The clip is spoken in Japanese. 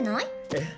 えっ！？